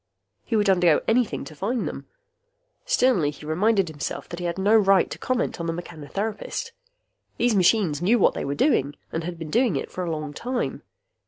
He would undergo anything to find them. Sternly he reminded himself that he had no right to comment on the mechanotherapist. These machines knew what they were doing and had been doing it for a long time.